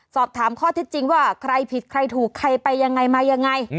สอบถามข้อเท็จจริงว่าใครผิดใครถูกใครไปยังไงมายังไง